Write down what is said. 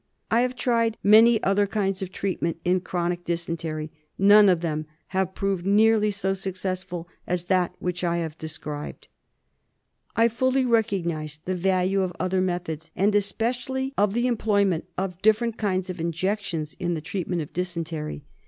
I have tried many other kinds of treatment in chronic dysentery ; none of them have proved nearly so successful as that which I have described. I fully recognise the value of other methods, and especially of the employment of different" kinds of injec tions in the treatment of dysentery.